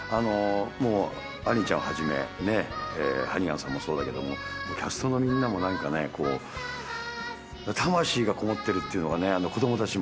もうアニーちゃんをはじめハニガンさんもそうだけどもキャストのみんなもこう魂がこもってるっていうのがね子供たちも。